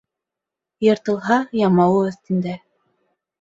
Йыртылһа, ямауы өҫтөндә.